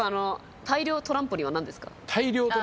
大量トランポリンは何ですか？